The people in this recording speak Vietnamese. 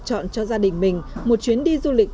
chọn cho gia đình mình một chuyến đi du lịch